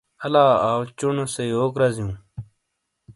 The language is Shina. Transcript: الا آؤ چونو سے یوک رزیوں۔